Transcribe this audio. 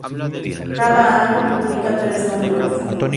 Cada año, publica tres números.